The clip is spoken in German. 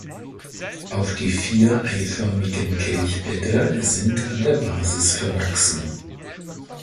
Auf die vier eiförmigen Kelchblätter sind an der Basis verwachsen.